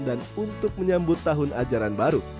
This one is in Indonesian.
dan untuk menyambut tahun ajaran baru